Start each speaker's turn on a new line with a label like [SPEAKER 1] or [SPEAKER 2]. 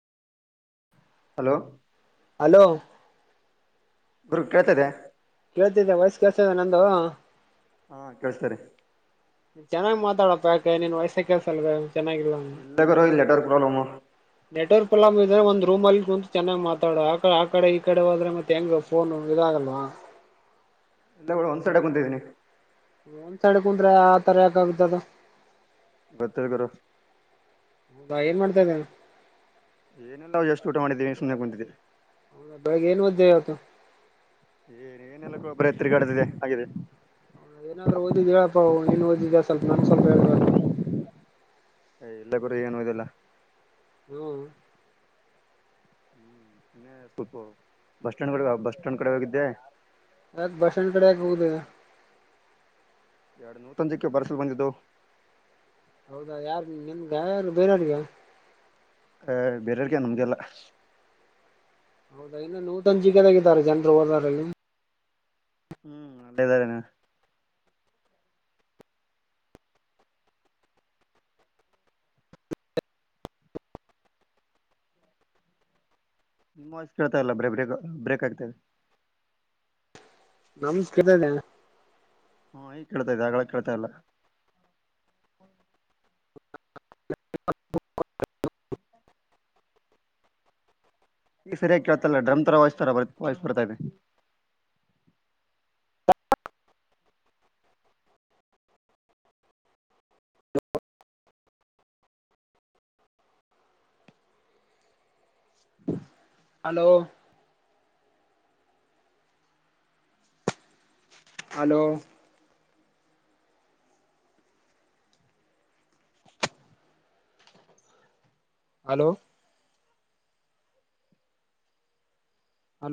[SPEAKER 1] Hello
[SPEAKER 2] hello.
[SPEAKER 1] ಗುರು ಕೇಳತ್ತದೆ.
[SPEAKER 2] ಕೇಳ್ತಿದ್ದೆ ವಾಯ್ಸ್ ಕೆಲ್ಸತಿದೆಯ ನಂದು.
[SPEAKER 1] ಹಾ ಕೇಳ್ಸತಡೆ.
[SPEAKER 2] ಚೆನ್ನಾಗ್ ಮಾತಾಡಪ್ಪ ಯಾಕೆ ನೀನ್ ವಯಸ್ಸ ಕೆಲಸವ್ಲೆ.
[SPEAKER 1] ಇಲ್ಲ ಗುರು ಇಲ್ಲಿ ನೆಟ್ಟರ್ಕ ಪ್ರಾಬ್ಲೆಮ್.
[SPEAKER 2] ಹಾ ಒಂದ ರೂಮ್ ಅಲ್ಲಿ ಕುಂತು ಚೆನ್ನಾಗ್ ಮಾತಾಡು ಆಡೆ ಆ ಕಡೆ ಈ ಕಡೆ ಹೋದ್ರೆ ಮತ್ತೆ ಹೆಂಗ ಫೋನು ಇದಾಗಲ್ವಾ.
[SPEAKER 1] ಎಲ್ಲ ಬ್ರೋ ಒಂದ್ ಸೈಡ್ ಕುಂತಿದ್ದೀನಿ.
[SPEAKER 2] ಒಂದ್ ಸೈಡ್ ಕುಂತ್ರೆ ಆ ತರ ಯಾಕ ಆಗುತ್ತೆ ಅದು.
[SPEAKER 1] ಗೊತ್ತಿಲ್ಲ ಗುರು
[SPEAKER 2] ಇದಗ [inaudible]
[SPEAKER 1] ಏನಿಲ್ಲಲ್ಲಾವು ಜಸ್ಟ್ ಊಟ ಮಾಡಿದೀವಿ ಸುಮ್ಮನೆ ಕುಂತಿದೀರಿ.
[SPEAKER 2] ಹೌ ಬೆಳಗ ಏನು ಓದಿದೆ ಇವತ್ತು.
[SPEAKER 1] ಏನ್ ಏನೆಲ್ಲಕ್ಕೂ ಬರೆ ತಿರಗ್ಯಾದುದಿದೆ ಆಗಿದೆ.
[SPEAKER 2] ಏನಾದ್ರೂ ಓದಿದ್ದ್ ಹೇಳಪ್ಪಾ ಏನ್ ಓದಿದ ಸ್ವಲ್ಪ ನನ್ ಸ್ವಲ್ಪ ಹೇಳೇಳ್ಬೇಕ
[SPEAKER 1] ಯ ಇಲ್ಲ ಗರಿ ಏನು ಇದೆಲ್ಲ
[SPEAKER 2] ಹ್ಮ್
[SPEAKER 1] ಹ್ಮ್ ಇನ್ನ ಸ್ವಲ್ಪ ಬಸ್ ಸ್ಟ್ಯಾಂಡ್ ಕಡೆ ಬಸ್ ಸ್ಟಾಂಡ್ ಕಡೆ ಹಗಿದ್ದೆ.
[SPEAKER 2] ಆ ಭಾಷಣ ಕಡೆ ಆ ಹೋಗದ.
[SPEAKER 1] ಎರಡು ನೂತ ಅಜಕ್ಕೆ ಬರ್ಸಲ್ ಬಂದಿದ್ದು.
[SPEAKER 2] ಹೌದಾ ಯಾರು ನಿ ನಿನ್ಗ ಯಾರು ಬೇರಗ?
[SPEAKER 1] ಹ ಬೇರೆವ್ಗೆ ನಮಗೆಲ್ಲ
[SPEAKER 2] ಹೌದಾ ಇನ್ನು ನ್ಯೂಟನ್ ಜಿಗದಾಗಿದ್ದಾರೆ ಜನ್ರು ಓಡಾರಲ್ಲಿ.
[SPEAKER 1] ಹ್ಮ್ ಅಂದೇದಾರೆನ. ನಿಮ್ಮ ವಾಯ್ಸ್ ಕೇಳ್ತಾಇಲ್ಲ ಬ್ರ ಬ್ರಕ್ ಬ್ರೇಕ್ ಆಗ್ತದೆ.
[SPEAKER 2] ನಮಸ್ಕತದ
[SPEAKER 1] ಹ್ಮ ಈ ಕೇಳ್ತಾ ಇದೆ ಆಗ್ಳ ಕೇಳ್ತಾಲ್ಲ.
[SPEAKER 2] [unintelligible]
[SPEAKER 1] ಈ ಸರಿಯಾಗಿ ಕೇಳ್ತಲ್ಲ ಡ್ರಮ್ ತರ ವಾಯ್ಸ್ ತರ ಬರ್ ವಾಯ್ಸ್ ಬರ್ತಾ ಇದೆ.
[SPEAKER 2] Hello hello hello